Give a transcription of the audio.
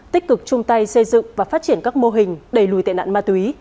tích cực chung tay xây dựng và phát triển các mô hình đẩy lùi tệ nạn ma túy